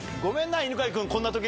犬飼君。